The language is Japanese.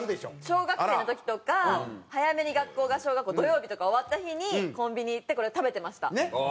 小学生の時とか早めに学校が小学校土曜日とか終わった日にコンビニ行ってこれ食べてました。